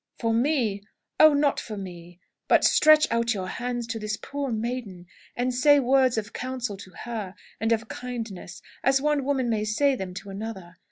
"For me! Oh not for me! But stretch out your hands to this poor maiden, and say words of counsel to her, and of kindness, as one woman may say them to another.